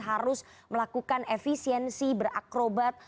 harus melakukan efisiensi berakrobat